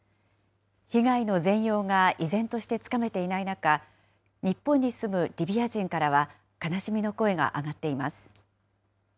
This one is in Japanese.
被害の全容が依然としてつかめていない中、日本に住むリビア人からは、悲しみの声が上がっています。